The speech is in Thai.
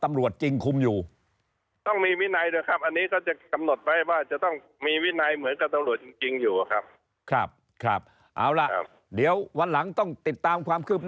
มันแก้ได้ไม่หมดแล้วครับ